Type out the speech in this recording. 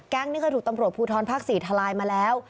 แก๊งนี่ก็ถูกตำรวจภูทรภักษ์ศรีทลายมาแล้ว